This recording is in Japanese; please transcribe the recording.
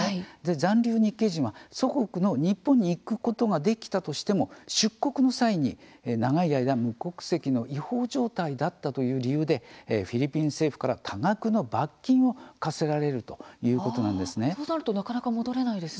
残留日系人は祖国の日本に行くことができたとしても出国の際に長い間、無国籍の違法状態だったという理由でフィリピン政府から多額の罰金を科せられるということなんですね。